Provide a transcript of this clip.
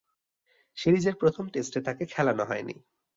সিরিজের প্রথম টেস্টে তাকে খেলানো হয়নি।